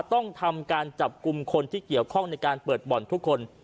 ต้องทำการจับกลุ่มคนที่เกี่ยวข้องในการเปิดบ่อนทุกคน